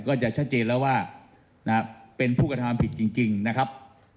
ก็จะชัดเจนแล้วว่าเป็นผู้กระทำผิดจริงนะครับ